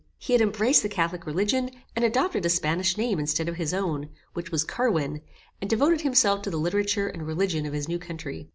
He had embraced the catholic religion, and adopted a Spanish name instead of his own, which was CARWIN, and devoted himself to the literature and religion of his new country.